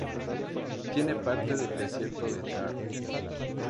Tiene parte del desierto de Thar.